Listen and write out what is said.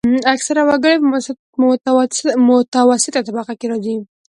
اکثره وګړي په متوسطه طبقه کې راځي.